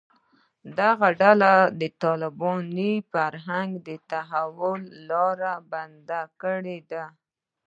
دغو ډلو د طالباني فرهنګي تحول لاره بنده کړې ده